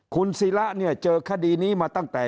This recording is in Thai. คุณศิระเนี่ยเจอคดีนี้มาตั้งแต่